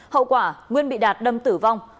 hậu quả nguyên bị đạt đâm tử vong